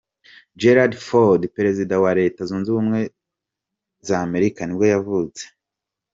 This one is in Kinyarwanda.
Gerald Ford, perezida wa wa Leta zunze ubumwe za Amerika nibwo yavutse.